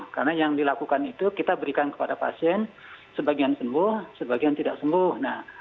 karena yang dilakukan itu kita berikan kepada pasien sebagian sembuh sebagian tidak sembuh